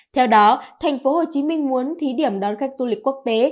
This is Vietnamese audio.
theo đó thành phố hồ chí minh muốn thí điểm đón khách du lịch quốc tế